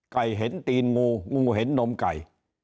เห็นตีนงูงูเห็นนมไก่